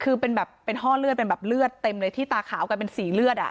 คือเป็นแบบเป็นห้อเลือดเป็นแบบเลือดเต็มเลยที่ตาขาวกลายเป็นสีเลือดอ่ะ